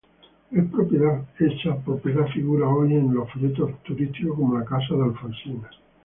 Esa propiedad figura hoy en los folletos turísticos como la casa de Alfonsina.